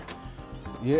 いえ